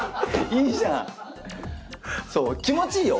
気持ちいいよ。